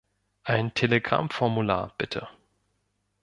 Ein Telegrammformular, bitte.